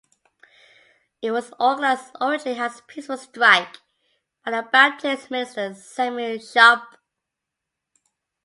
It was organised originally as a peaceful strike by the Baptist minister Samuel Sharpe.